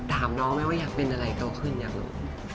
ถามน้องไหมว่าอยากเป็นอะไรโตขึ้นอยากรู้